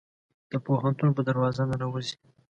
د پوهنتون په دروازه ننوزي